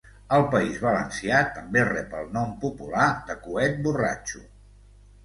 Al País Valencià també rep el nom popular de coet borratxo.